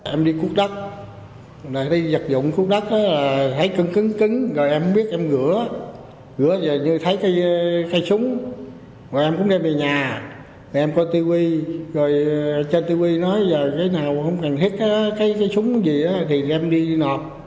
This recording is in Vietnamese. em đi cút đất đi vật dụng cút đất thấy cứng cứng cứng rồi em không biết em gửa gửa rồi thấy cây súng rồi em cũng đem về nhà rồi em coi tivi rồi trên tivi nói cái nào không cần hít cái súng gì thì em đi nọp